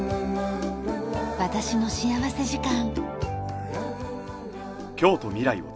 『私の幸福時間』。